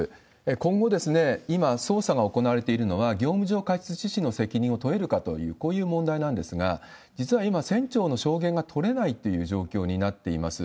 今後、今捜査が行われているのは、業務上過失致死の責任を問えるかという、こういう問題なんですが、実は今、船長の証言が取れないっていう状況になっています。